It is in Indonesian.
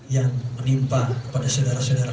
naga gunung jatian lainnya